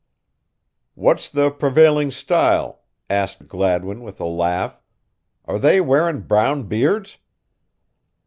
"What's the prevailin' style?" asked Gladwin, with a laugh. "Are they wearin' brown beards?"